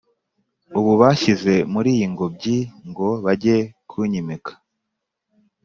Ubu banshyize muri iyi ngobyi ngo bajye kunyimika,